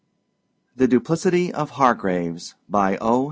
THE DUPLICITY OF HARGRAVES By O.